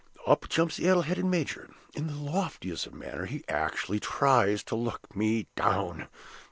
up jumps the addle headed major, in the loftiest manner, and actually tries to look me down.